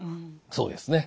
そうですね。